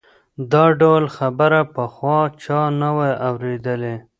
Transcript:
دا ډول خبره پخوا چا نه وه اورېدلې.